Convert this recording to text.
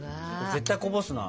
絶対こぼすな。